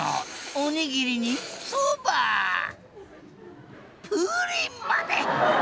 お握りにそばプリンまで。